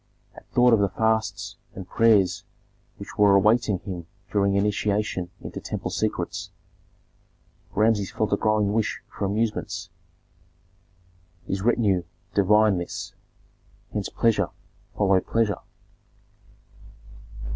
At thought of the fasts and prayers which were awaiting him during initiation into temple secrets, Rameses felt a growing wish for amusements. His retinue divined this; hence pleasure followed pleasure.